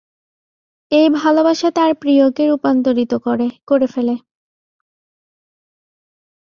এই ভালবাসা তার প্রিয়কে রূপান্তরিত করে ফেলে।